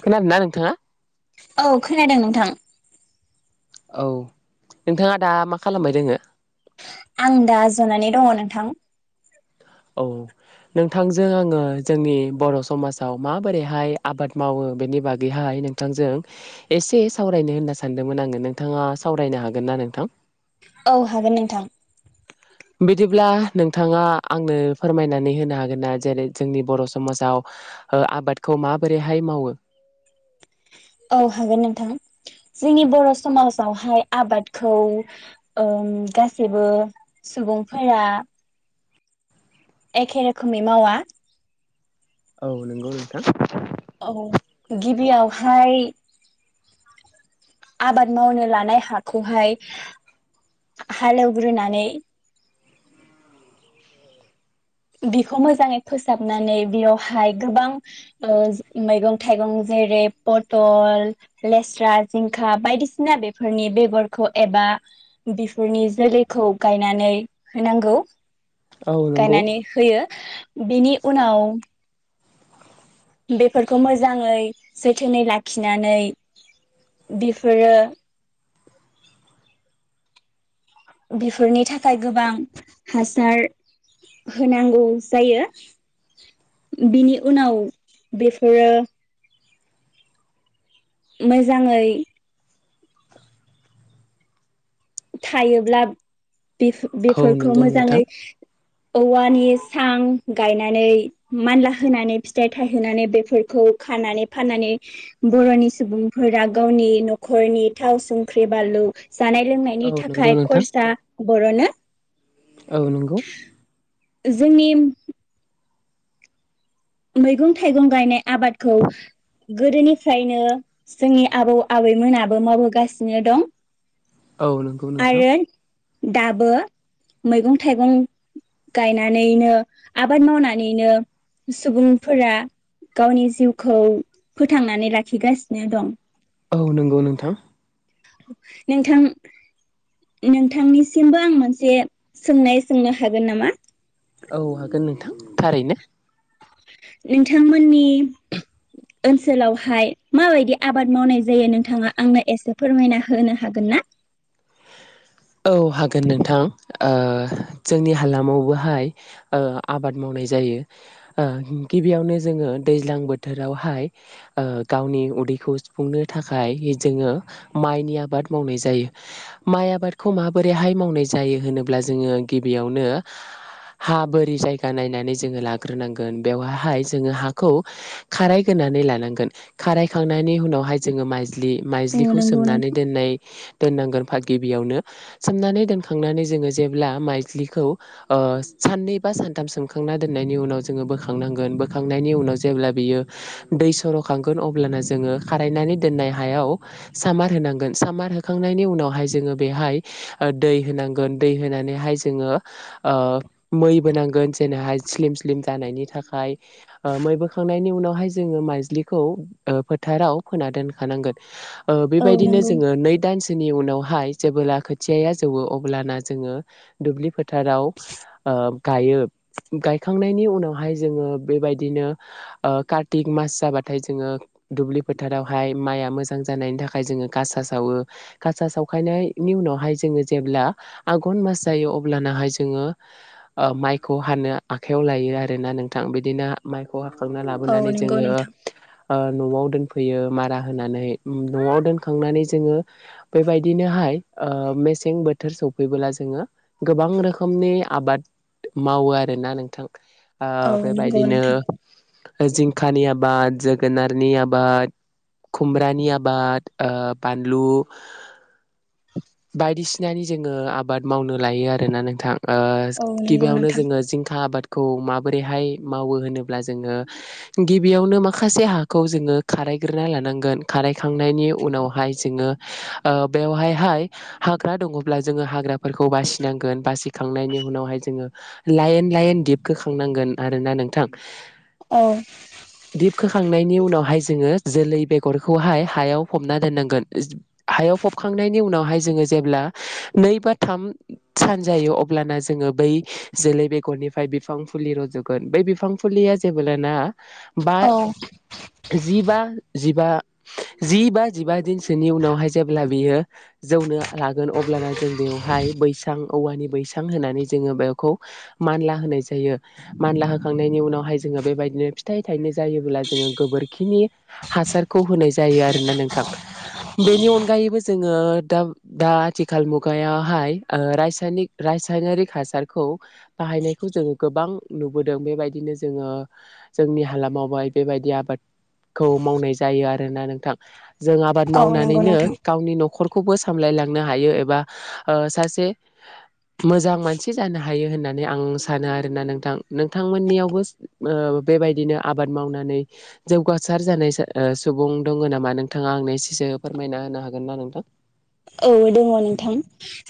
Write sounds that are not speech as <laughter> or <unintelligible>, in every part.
खोनादों ना नोंथाङा? औ खोनादों नोंथां। औ नोंथाङा दा मा खालामबाय दोङो? आं दा ज'नानै दङ' नोंथां। औ नोंथांजों आङो जोंनि बर' समाजाव माबोरैहाय आबाद मावो बेनि बागैहाय नोंथांजों एसे सावरायनो होनना सानदोंमोन आङो नोंथाङा सावरायनो हागोन ना नोंथां? औ हागोन नोंथां। अब्ला नोंथाङा आंनो फोरमायनानै होनो हागोन ना? जेरै जोंनि बर' समाजाव ओ आबादखौ माबोरैहाय मावो? औ हागोन नोंथां। जोंनि बर' समाजावहाय आबादखौ ओं गासैबो सुबुंफोरा एखे रोखोमै मावा। औ नोंगौ नोंथां। औ गिबियावहाय आबाद मावनो लानाय हाखौहाय हालेवग्रोनानै बिखौ मोजाङै फोसाबनानै बेयावहाय गोबां ओ जे मैगं थाइगं जेरै पटल, लेस्रा, जिंखा बायदिसिना बेफोरनि बेगरखौ एबा बिफोरनि जोलैखौ गायनानै होनांगौ। औ नोंगौ। गायनानै होयो बेनि उनाव बेफोरखौ मोजाङै जोथोनै लाखिनानै बिफोरो बिफोरनि थाखाय गोबां हासार होनांगौ जायो। बिनि उनाव बेफोरो मोजाङै थायोब्लाब बेफो औ बेफोरखौ नंगौ नोंथां मोजाङै औवानि सां गायनानै मानला होनानै फिथाइ थायहोनानै बेफोरखौ खानानै फाननानै बर'नि सुबुंफोरा गावनि न'खरनि थाव संख्रि बानलु जानाय लों नि औ नंगौ थाखाय नोंथां। खरसा बरनो औ नोंगौ। जोंनिम मैगं थाइगं गायनाय आबादखौ गोदोनिफ्रायनो जोंनि आबौ आबैमोनाबो मावबोगासिनो दं। औ नोंगौ नोंथां। आरो दाबो मैगं थाइगं गायनानैनो आबाद मावनानैनो सुबुंफोरा गावनि जिउखौ फोथांनानै लाखिगासिनो दं। औ नोंगौ नोंथां। नोंथां नोंथांनिसिमबो आं मोनसे सोंनाय सोंनो हागोन नामा? औ हागोन नोंथां थारैनो। नोंथांमोननि ओनसोलावहाय माबायदि आबाद मावनाय जायो नोंथाङा आंनो एसे फोरमायना होनो हागोन ना? औ हागोन नोंथां ओ जोंनि हालामावबोहाय ओ आबाद मावनाय जायो। ओ गिबियावनो जोङो दैज्लां बोथोरावहाय ओ गावनि उदैखौ सुफुंनो थाखाय जोङो माइनि आबाद मावनाय जायो माइ आबाद खौ माबोरैहाय मावनाय जायो होनोब्ला जोङो गिबियावनो हा बोरि जायगा नायनानै जोङो लाग्रोनांगोन बेवहाय जोङो हाखौ खारायग्रोनै लानांगोन खारायखांनायनि उनावहाय जोङो माइ दि औ माइज्लिखौ नंगौ सोमनानै नोंथां दोननाय दोननांगोन फाग गिबियावनो सोमनानै दोनखांनानै जोङो जेब्ला माइज्लिखौ ओ साननै बा सानथाम सोमखांना दोननायनि उनाव जोङो बोखांनांगोन बोखांनायनि उनाव जेब्ला बियो दै सरखांगोन अब्ला जोङो खारायनानै दोननाय हायाव सामार होनांगोन सामार होखांनायनि उनावहाय जोङो बेहाय ओ दै होनांगोन दै होनानैहाय जोङो ओ मै बोनांगोन जेनेहाय स्लिम स्लिम जानायनि थाखाय ओ मै बोखांनायनि उनावहाय जोङो माइज्लिखौ ओ फोथाराव फोना दोनखानांगोन। ओ औ बेबायदिनो नंगौ जोङो नै दानस जोंनि उनावहाय जेबोला खो खोथियाया जौवो अब्लाना जोङो दुब्लि फोथाराव ओ गायो। गायखांनायनि उनावहाय जोङो बेबायदिनो ओ कार्तिक मास जाबाथाय जोङो दुब्लि फोथारावहाय माइआ मोजां जानायनि थाखाय जोङो गासा सावो गासा सावखायनायनि उनावहाय जोङो जेब्ला आघन मास जायो अब्लानाहाय जोङो ओ माइखौ हानो आखाइयाव लायो आरोना नोंथां बिदिनो माइ खौ हाखांना औ लाबोनानै नंगौ जोङो नोंथां ओ नआव दोनफैयो मारा होनानै उ नआव दोनखांनानै जोङो बेबायदिनोहाय ओ मेस सें बोथोर सौफैला जोङो गोबां रोखोमनि आबाद मावो आरोना नोंथां। औ आं नंगौ बेबायदिनो नोंथां ओ जिंखानि आबाद जोगोनारनि आबाद खुमब्रानि आबाद ओ बानलु बायदिसिनानि जोङो आबाद मावनो लायो आरोना नोंथां। ओ औ नंगौ गिबियावनो नोंथां जोङो जिंखा आबाद खौ माबोरैहाय मावो होनोब्ला जोङो गिबियावनो माखासे हाखौ जोङो खारायग्रोना लानांगोन खारायखांनायनि उनावहाय जोङो ओ बेवहाय हाय हाग्रा दङब्ला जोङो हाग्राफोरखौ बासिनांगोन बासिखांनायनि उनावहाय जोङो लाइन लायन दिपखोखांनांगोन आरोना नोंथां औ दिपखोखांनायनि उनावहाय जोङो जोलै बेगरखौहाय हायाव फबना दोननांगोन हायाव फबखांनायनि उनावहाय जोङो जेब्ला नै बा थाम सान जायो अब्लाना जोङो बै जोलै बेगरनिफ्राय बिफां फुलि रजगोन बै बिफां फुलिया जेब्लाना बा औ जिबा जिबा जि बा जिबा दिनसोनि उनावहाय जेब्ला बियो जौनो लागोन अब्लाना जों बेवहाय बैसां औवानि बैसां होनानै जोङो बेखौ मानला होनाय जायो मानला होखांनायनि उनावहाय जोङो बेबायदिनो फिथाइ थायनो जायोबोला जोङो गोबोरखिनि हासारखौ होनाय जायो आरोना नोंथां। बेनि अनगायैबो जोङो दा दा आथिखाल मुगायावहाय रासायनिक रासायनारिक हासारखौ बाहायनायखौ जोङो गोबां नुबोदों बेबायदिनो जोङो जोंनि हालामावहाय बेबायदि आबादखौ मावनाय जायो आरोना नोंथां। जों आबाद औ नंगौ मावनानैनो नोंथां गावनि नखर खौबो सामलायलांनो हायो एबा ओ सासे मोजां मानसि जानो हायो होननानै आं सानो आरोना नोंथां नोंथांमोननियावबो ओ बेबायदिनो आबाद मावनानै जौगासार जानाय सुबुं दंङ नामा नोंथाङा आंनो एसेसो फोरमायना होनो हागोन ना नोंथां औ दंङ नोंथां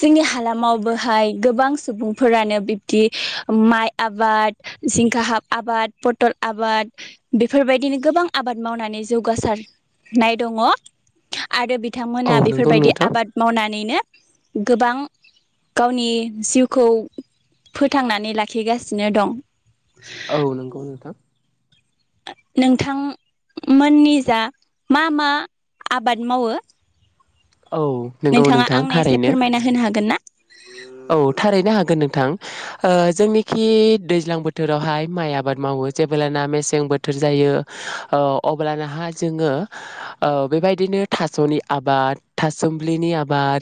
जोंनि हालामावबोहाय गोबां सुबुंफोरानो बिब्दि माइ आबाद जिंखा हाब आबाद पटल आबाद बेफोरबायदिनो गोबां आबाद मावनानै जौगासारनाय दंङ आरो बि औ बिथांमोना नंगौ बेफोरबायदि नोंथां मावनानैनो गोबां गावनि जिउखौ फोथांनानै लाखिगासिनो दं औ नंगौ नोंथां ओ नोंथांमोननि जा मा मा आबाद मावो औ नंगौ नोंथाङा नोंथां आंनो एसे थारैनो फोरमायना होनो हागोन ना गोनांथां ओ जोंनिखि दैज्लां बोथोरावहाय माइ आबाद मावो जेब्लाना मेसें बोथोर जायो ओ अब्लानाहाय जोंङो ओ बेबायदिनो थासनि आबाद थासुमलिनि आबाद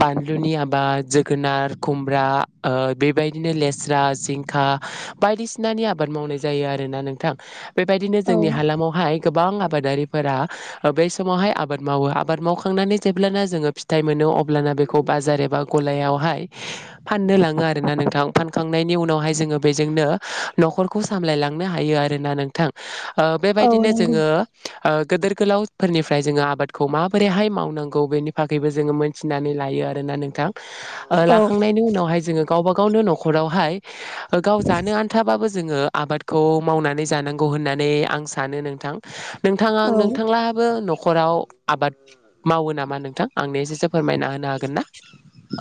बानलुनि आबाद गोनार खुमब्रा ओ बेबायदिनो लेस्रा जिंखा बायदिसिनानि आबाद मावनाय जायो आरोना नोंथां बेबायदिनो औ जोंनि हालामावहाय गोबां आब आबादारिफोरा बेै समावहाय आबाद मावो आबाद मावखांनानै जेब्लाना जोंङो फिथाइ मोनो अब्लाना बेखौ बाजार एबा गलायाव हाय फाननो लांङो आरोना नोंथां फानखांनायनि उनावहाय जोंङो बेजोंनो नखरखौ सामलायलांनो हायो आरोना नोंथां ओ औ बेबायदिनो नंगौ जोंङो ओ गोदोर गोलावफोरनिफ्राय जोंङो आबादखौ माबोरैहाय मावनांगौ बेनि बागैबो जोंङो मोनथिनानै लायो आरोना नोंथां लाखांनायनि उनावहाय जोंङो गावबा-गाव - - गावनो नखरावहाय - - गाव जानो आन्थाबाबो - - जोंङो आबादखौ मावनानै जानांगौ होननानै आं सानो नोंथां - - नोंथाङा औ नोंथांलाहाबो नखराव - - आबाद मावो नामा नोंथां आंनो एसेसो फोरमायना होनो हागोन ना?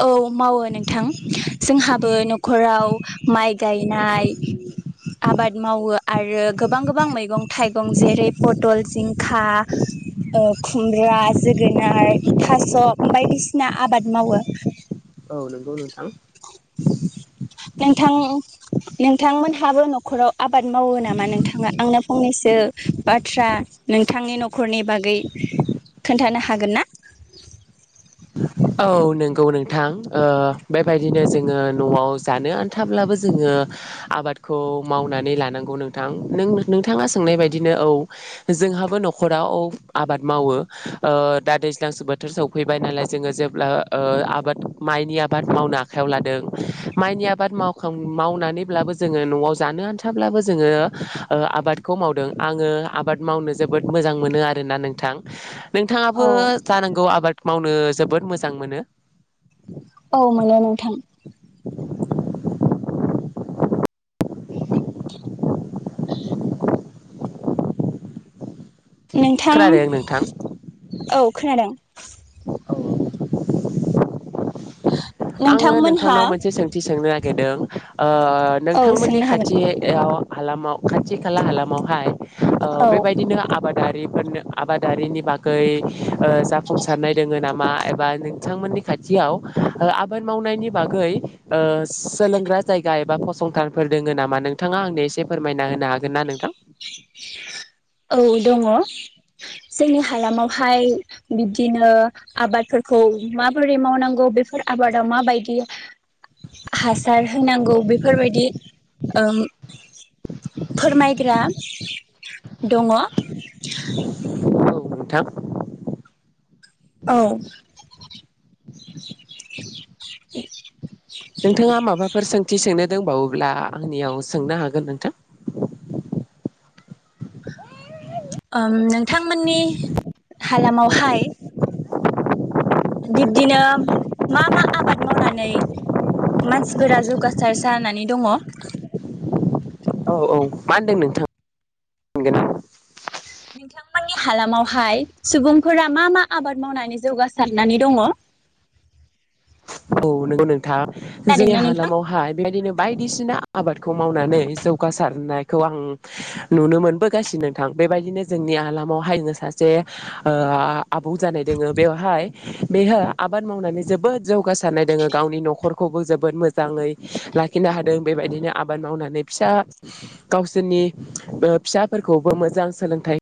औ मा <unintelligible> मावो नोंथां जोंहाबो नखराव माइ गायनाय आबाद मावो आरो गोबां - गोबां मैगं थाइगं जेरै पटल जिंखा खुमब्रा जोगोनार थास' बायदिसिना आबाद - - मावो औ नंगौ नोंथां । नोंथां नोंथांमोनहाबो नखराव - - आबाद मावो नामा नोंथाङा आंनो फंनैसो बाथ्रा - - नोंथांनि न नखरनि बागै खोन्थानो हागोन ना? औ नंगौ नोंथां बेबायदिनो जोंङो नआव जानो आनथाब्लाबो जोंङो आबादखौ मावनानै लानांगौ नोंथां नों नोंथाङा सोंनाय बायदिनो औ जोंहाबो नखराव औ आबाद मावो दा दैज्लांसो बोथोर सौफै- -' <unintelligible> नालाय जोंङो जेब्ला आबाद माइनि आबाद मावनो आखाइयाव लादों माइनि आबाद मावखां मावनानैब्लाबो जोङो नआव जानो आन्थाब्लाबो जोंङो आबादखौ मावदों आंङो आबाद मावनो जोबोद मोजां मोनो आरोना नोंथां । नोंथांङाबो औ जानांगौ आबाद - - मावनो जोबोद मोजां मोनो । औ मोनो नोंथां । नोंथां खोनादों नोंथां औ - - खोनादों आङो नोंथांमोनहा नोंथांनाव मोनसे सोंथि सोंनो नागिरदों ओ औ नोंथांमोननि सोंनो हागोन खाथियाव हालामाव खाथि खाला हालामावहाय ओ औ बेबायदिनो आबाद - - आबादारिनि बागै जाफुंसारनाय दोङ नामा एबा नोंथांमोननि खाथियाव - - आबाद मावनायनि ओ बागै सोलोंग्रा जायगा एबा फसंथानफोर दङ नामा नोंथाङा आंनो एसे फोरमायना होनो हागोन ना नोंथां? औ दङ जोंनि हालामावहाय बिब्दिनो आबादफोरखौ माबोरै मावनांगौ बेफोर आबादा माबायदि हासार होनांगौ बेफोरबायदि ओम फोरमायग्रा - - दङ औ नोंथां औ नोंथाङा माबाफोर सोंथि सोंनो दंबावोब्ला आंनियाव सोंनो हागोन नोंथां नोंथांमोननि हालामावहाय - - बिब्दिनो मा मा आबाद मावनानै मानसिफोरा जौगासार जानानै दङ? औ औ मा होनदों नोंथां <inaudible> नोंथांनि हालामावहाय सुबुंफोरा मा मा आबाद मावनानै जौगासारनानै दङ । <inaudible> जोंनि नोंथां हालामावहा बेबायदिनो बायदिसिना आबादखौ मावनानै जौगासारनायखौ आं नुनो मोनबोगासिनो नोंथां बेबायदिनो जोंनि हालामावहाय सासे ओ आबौ जानाय दोङो बेवहाय बेयो आबाद मावनानै जोबोद जौगासारनाय दोङो गावनि न'खरखौबो जोबोद मोजाङै लाखिनो हादों बेबायदिनो आबाद मावनानै फिसा गावसोरनि ओ फिसाफोरखौबो मोजां सोलोंथाइ।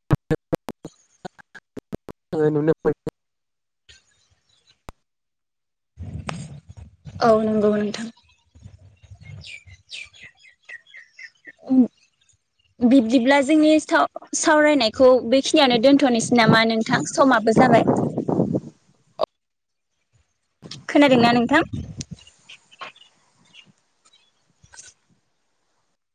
<unintelligible> औ नंगौ नोंथां बिब्दिब्ला जोंनि साव सावरायनायखौ बेखिनियावनो दोनथ'नोसै नामा नोंथां समाबो जाबाय। खोनादोंना नोंथां?